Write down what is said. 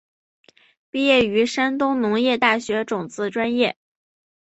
毕业于山东农业大学种子专业。